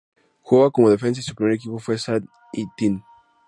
Jugaba como defensa y su primer equipo fue Saint-Étienne.